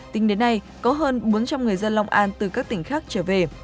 tính đến nay có hơn bốn trăm linh người dân long an từ các tỉnh khác trở về